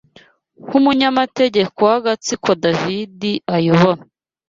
nkumunyamategeko w’agatsiko Davidiayobora